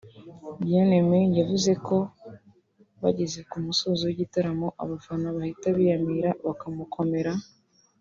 Bien-Aime yavuze ko bageze ku musozo w’igitaramo abafana bahita biyamira bamukomera